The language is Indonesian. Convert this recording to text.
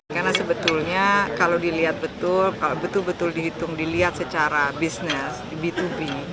karena sebetulnya kalau dilihat betul betul betul dihitung dilihat secara bisnis b dua b